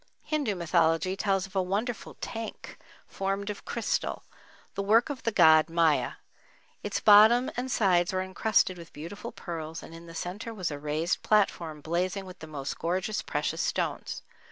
Hindu mythology tells of a wonderful tank formed of crystal, the work of the god Maya. Its bottom and sides were encrusted with beautiful pearls and in the centre was a raised platform blazing with the most gorgeous precious stones.